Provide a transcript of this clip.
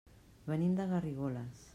Venim de Garrigoles.